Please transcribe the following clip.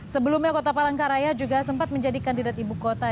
sebelumnya kota palangkaraya juga sempat menjadi kandidat ibu kota